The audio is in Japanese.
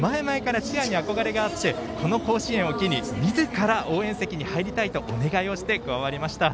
前々からチアに憧れがあってこの甲子園を機にみずから応援席に入りたいとお願いをして加わりました。